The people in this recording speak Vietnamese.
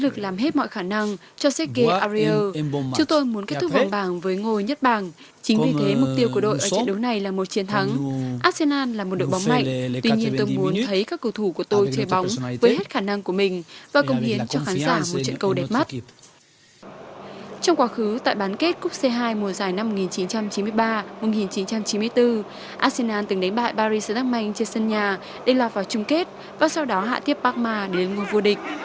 cúc c hai mùa giải năm một nghìn chín trăm chín mươi ba một nghìn chín trăm chín mươi bốn arsenal từng đánh bại paris saint germain trên sân nhà để lọt vào chung kết và sau đó hạ tiếp parma đến nguồn vua địch